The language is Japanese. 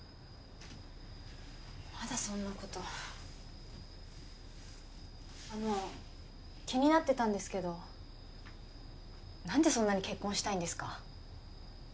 まだそんなことあの気になってたんですけど何でそんなに結婚したいんですか？